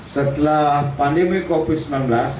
setelah pandemi covid sembilan belas